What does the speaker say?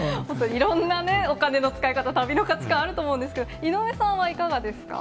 いろんなね、お金の使い方、旅の価値観あると思うんですけど、井上さん、いかがですか？